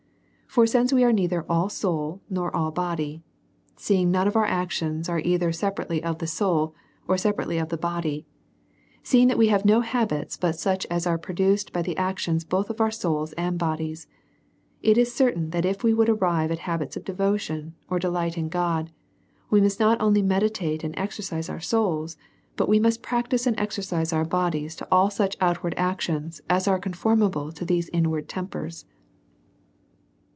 For since we are neither all soul, nor all body ; seeing none of our actions are either separately of the soul, or separately of the body ; seeing we have no habits but such as are produced by the actions both of our souls and bodies ; it is certain, that if we would arrive at habits of devotion, or delight in God, we must not only meditate and exercise our souls, but we must practise and exercise our bodies to all such outward actions, as are conformable to these inward tempers.